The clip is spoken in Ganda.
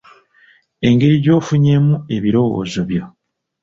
Engeri gy'ofunyeemu ebirowoozo byo.